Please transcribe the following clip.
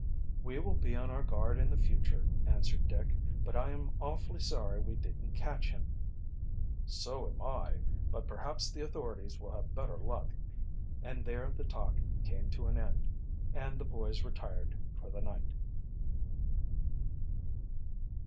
"We will be on our guard in the future," answered Dick. "But I am awfully sorry we didn't catch him." "So am I. But perhaps the authorities will have better luck," and there the talk came to an end, and the boys retired for the night.